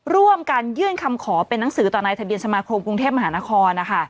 ร่วมกันยื่นคำขอเป็นหนังสือต่อนายทะเบียนสมาคมกรุงเทพมหานคร